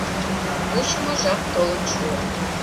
Вучымо жап толын шуо.